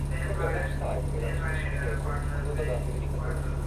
Proprio "Lifestyle" è la trasmissione glamour condotta da Federica Torti.